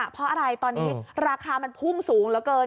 เพราะอะไรตอนนี้ราคามันพุ่งสูงเหลือเกิน